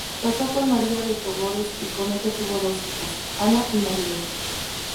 Casó con María de Togores, y con ella tuvo dos hijas, Ana y María.